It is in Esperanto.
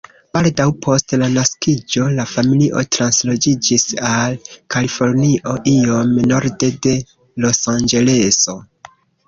Baldaŭ post la naskiĝo la familio transloĝiĝis al Kalifornio, iom norde de Losanĝeleso.